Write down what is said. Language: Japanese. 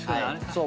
そう。